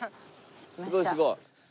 すごいすごい。